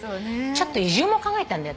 ちょっと移住も考えたんだよ